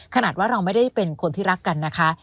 ขนาดว่าเราไม่ได้เป็นคนที่รักกันนะคะ